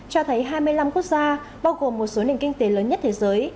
cho thấy hai mươi năm quốc gia bao gồm một số nền kinh tế lớn nhất thế giới